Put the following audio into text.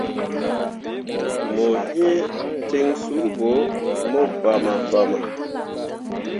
Mo iŋ ten sul ɓo mo bama bama.